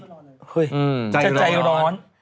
เฮ้ยจะใจร้อน